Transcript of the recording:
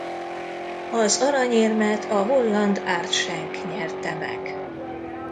Az aranyérmet a holland Ard Schenk nyerte meg.